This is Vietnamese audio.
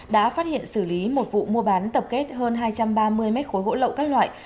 đã phát hiện xử lý một vụ mua bán tập kết hơn hai trăm ba mươi mét khối gỗ lậu các loại